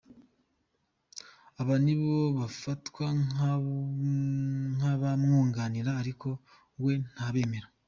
Aba nibo bafatwa nk'abamwunganira ariko we ntabemera.